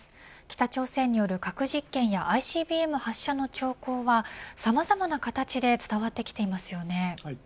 北朝鮮による核実験やＩＣＢＭ発射の兆候はさまざまな形で伝わってきていますよね。